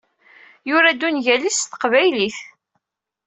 Yura-d ungal-is s teqbaylit